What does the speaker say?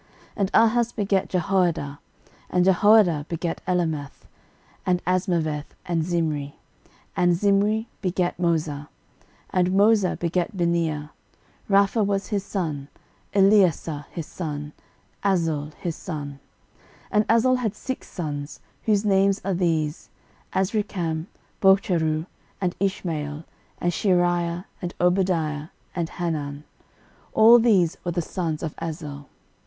13:008:036 And Ahaz begat Jehoadah; and Jehoadah begat Alemeth, and Azmaveth, and Zimri; and Zimri begat Moza, 13:008:037 And Moza begat Binea: Rapha was his son, Eleasah his son, Azel his son: 13:008:038 And Azel had six sons, whose names are these, Azrikam, Bocheru, and Ishmael, and Sheariah, and Obadiah, and Hanan. All these were the sons of Azel.